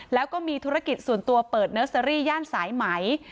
แล้วก็มีธุรกิจส่วนตัวเปิดเนอร์เซอรี่ย่านสายไหม